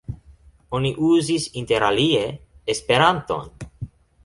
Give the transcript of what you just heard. Oni uzis interalie esperanton.